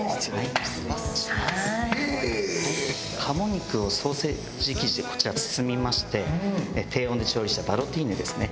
鴨肉をソーセージ生地でこちら包みまして低温で調理したバロティーヌですね。